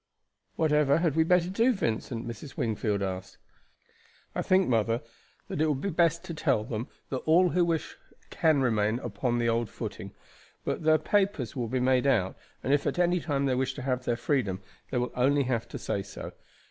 "What had we better do, Vincent?" Mrs. Wingfield asked. "I think, mother, it will be best to tell them that all who wish can remain upon the old footing, but that their papers will be made out and if at any time they wish to have their freedom they will only have to say so.